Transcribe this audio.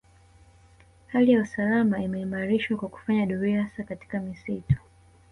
Hali ya usalama imeimarishwa kwa kufanya doria hasa katika misitu